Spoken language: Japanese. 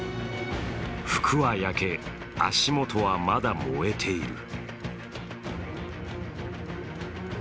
服は焼け、足元はまだ燃えている。